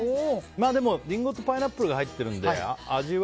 でも、リンゴとパイナップルが入っているので味は。